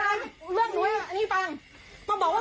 ไอ้ที่มูแปะกูทไอ้ที่มูแปะกูท